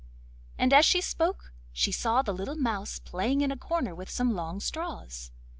As she spoke she saw the little mouse playing in a corner with some long straws.